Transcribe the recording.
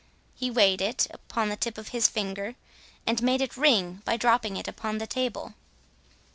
He weighed it upon the tip of his finger, and made it ring by dropping it upon the table.